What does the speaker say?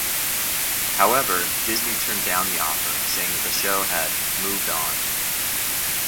However, Disney turned down the offer, saying that the show had "moved on".